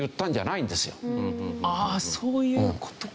ああそういう事か。